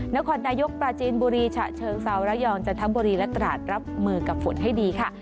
นครนายกปราจีนบุรีฉะเชิงเซาระยองจันทบุรีและตราดรับมือกับฝนให้ดีค่ะ